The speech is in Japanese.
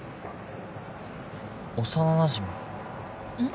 幼なじみうん？